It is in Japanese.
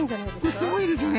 これすごいですよね。